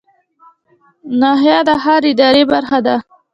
ناحیه د ښار اداري برخه ده